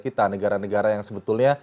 kita negara negara yang sebetulnya